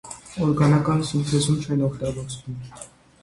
Օրգանական սինթեզում չեն օգտագործվում։